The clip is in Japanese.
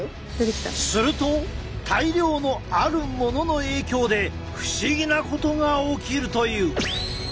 すると大量のあるものの影響で不思議なことが起きるという。